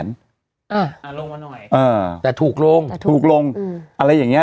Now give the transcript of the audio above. ลงมาหน่อยค่ะแต่ถูกลงกาอะไรอย่างนี้